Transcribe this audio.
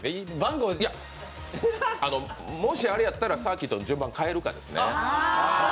番号もしあれやったらサーキットの順番、変えるかです。